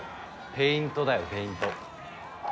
ペイントだよペイント。